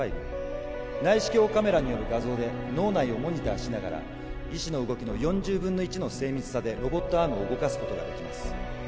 内視鏡カメラによる画像で脳内をモニターしながら医師の動きの４０分の１の精密さでロボットアームを動かす事が出来ます。